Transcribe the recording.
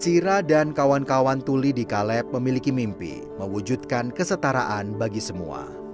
sira dan kawan kawan tuli di caleb memiliki mimpi mewujudkan kesetaraan bagi semua